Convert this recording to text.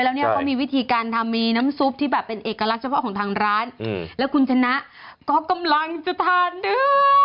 แล้วเนี่ยเขามีวิธีการทำมีน้ำซุปที่แบบเป็นเอกลักษณ์เฉพาะของทางร้านแล้วคุณชนะก็กำลังจะทานเนื้อ